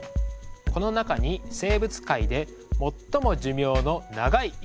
この中に生物界で最も寿命の長い生きものがいます。